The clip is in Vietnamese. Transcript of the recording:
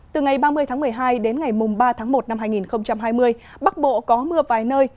từ ngày ba mươi tháng một mươi hai đến ngày ba tháng một năm hai nghìn hai mươi bắc bộ có mưa vài nơi